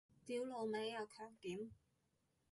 屌老味又強檢